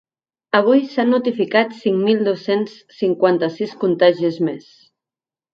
Avui s’han notificat cinc mil dos-cents cinquanta-sis contagis més.